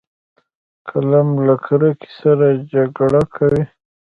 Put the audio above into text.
قلم له کرکې سره جګړه کوي